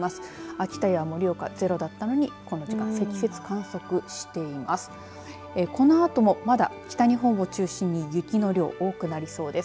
秋田や盛岡ゼロだったのにこの時間、積雪を観測しています。